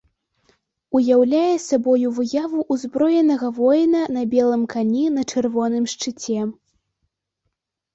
Уяўляе сабою выяву ўзброенага воіна на белым кані на чырвоным шчыце.